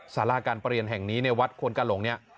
สาราการเปลี่ยนแห่งนี้ในวัดควรกาหลงเนี่ย